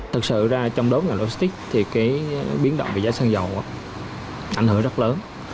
thật sự ra trong đối với ngành logistics thì cái biến động về giá sân dầu ảnh hưởng rất lớn